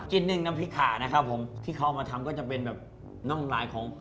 หนึ่งน้ำพริกขานะครับผมที่เขาเอามาทำก็จะเป็นแบบน้ำลายของ